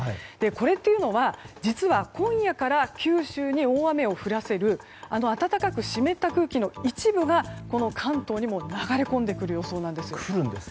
これっていうのは実は今夜から九州に大雨を降らせる暖かく湿った空気の一部が関東にも流れ込んでくる予想なんですね。